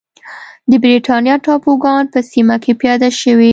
د برېټانیا ټاپوګان په سیمه کې پیاده شوې.